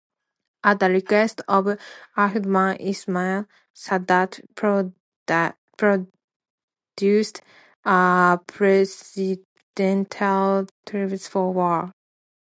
At the request of Ahmed Ismail, Sadat produced a presidential directive for war.